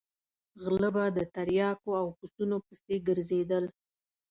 غله به د تریاکو او پسونو پسې ګرځېدل.